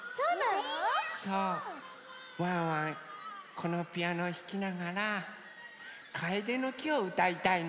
このピアノひきながら「カエデの木」をうたいたいの。